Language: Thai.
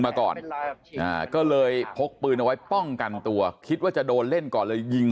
มาก่อนก็เลยพกปืนเอาไว้ป้องกันตัวคิดว่าจะโดนเล่นก่อนเลยยิง